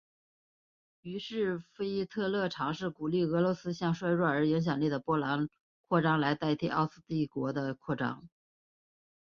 于是腓特烈尝试鼓励俄罗斯向衰弱而无影响力的波兰扩张来代替向奥斯曼帝国的扩张。